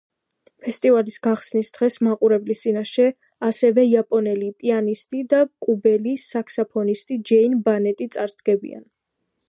ფესტივალის გახსნის დღეს მაყურებლის წინაშე ასევე იაპონელი პიანისტი და კუბელი საქსაფონისტი ჯეინ ბანეტი წარსდგებიან.